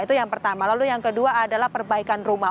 itu yang pertama lalu yang kedua adalah perbaikan rumah